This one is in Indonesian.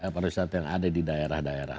pariwisata yang ada di daerah daerah